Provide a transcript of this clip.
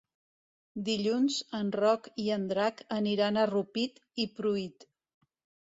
Dilluns en Roc i en Drac aniran a Rupit i Pruit.